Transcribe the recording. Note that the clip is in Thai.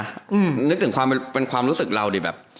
นึกถึงความเป็นความรู้สึกเราดิแบบ